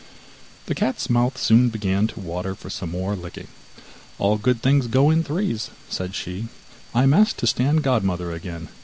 The cat's mouth soon began to water for some more licking. 'All good things go in threes,' said she, 'I am asked to stand godmother again.